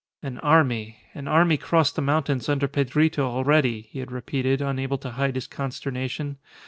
"An army an army crossed the mountains under Pedrito already," he had repeated, unable to hide his consternation.